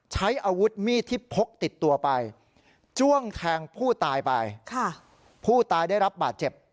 ใช้อาวุธมีดที่พกติดตัวไปจ้วงแทงผู้ตายไปผู้ตายได้รับบาดเจ็บ